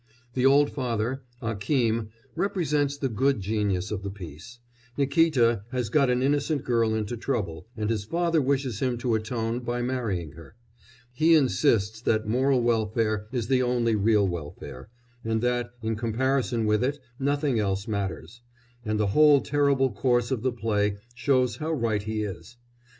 The old father Akím represents the good genius of the piece: Nikíta has got an innocent girl into trouble and his father wishes him to atone by marrying her; he insists that moral welfare is the only real welfare, and that, in comparison with it, nothing else matters, and the whole terrible course of the play shows how right he is.